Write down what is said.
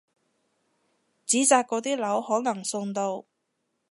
紙紮嗰啲樓可能送到！